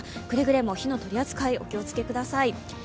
くれぐれも火の取り扱い、お気をつけください。